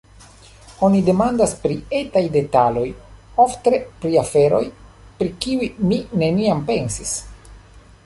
Oni demandas pri etaj detaloj, ofte pri aferoj, pri kiuj mi neniam pensis.